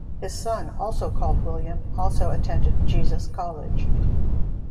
His son, also called William, also attended Jesus College.